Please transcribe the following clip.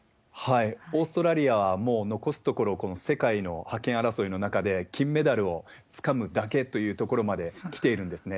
オーストラリアは、もう残すところ、この世界の覇権争いの中で、金メダルをつかむだけというところまで来ているんですね。